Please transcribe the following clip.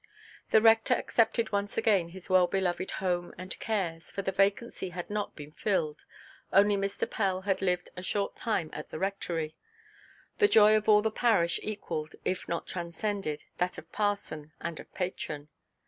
The rector accepted once again his well–beloved home and cares, for the vacancy had not been filled, only Mr. Pell had lived a short time at the Rectory. The joy of all the parish equalled, if not transcended, that of parson and of patron.